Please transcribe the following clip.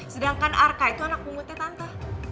sedangkan arka itu anak pungutnya tante